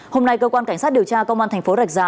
hôm nay cơ quan cảnh sát điều tra công an tp rạch giá